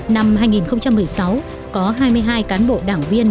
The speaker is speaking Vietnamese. năm hai nghìn một mươi sáu có hai mươi hai cán bộ đảng viên